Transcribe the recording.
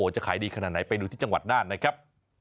จะขายดีขนาดไหนไปดูที่จังหวัดน่านนะครับ